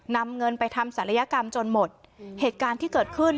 นำเงินไปทำศัลยกรรมจนหมดเหตุการณ์ที่เกิดขึ้น